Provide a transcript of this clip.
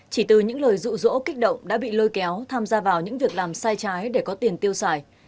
chỉ từ những lời rụ rỗ kích động đã bị lôi kéo tham gia vào những việc làm sai trái để có tiền tiêu xài